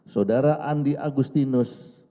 saudara andi agustinus